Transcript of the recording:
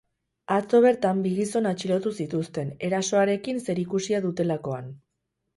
Atzo bertan bi gizon atxilotu zituzten, erasoarekin zerikusia dutelakoan.